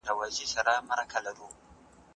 که ځوانان تاريخ ولولي پر تېروتنوبه پوه سي.